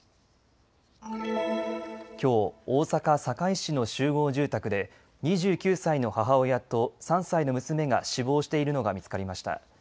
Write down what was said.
きょう、大阪堺市の集合住宅で２９歳の母親と３歳の娘が死亡しているのが見つかりました。